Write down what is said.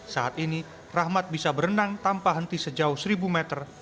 saat ini rahmat bisa berenang tanpa henti sejauh seribu meter